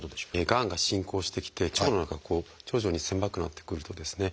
がんが進行してきて腸の中が徐々に狭くなってくるとですね